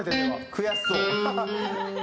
悔しそう。